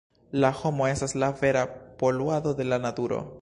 La homo estas la vera poluado de la naturo!